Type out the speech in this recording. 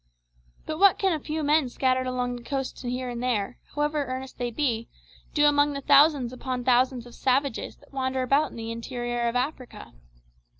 But what can a few men scattered along the coast here and there, however earnest they be, do among the thousands upon thousands of savages that wander about in the interior of Africa?